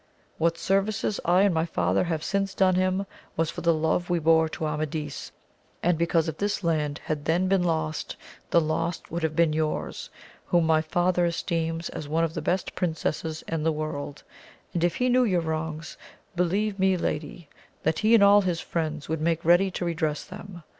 What services I and my father have since done him, was for the love we bore to Amadis, and because if this land had then been lost, the loss would have been yours, whom my father esteems as one of the best princesses in the world, and if he knew your wrongs, believe me lady that he and €dl his friends would make ready to redress them, AMADIS OF GAUL.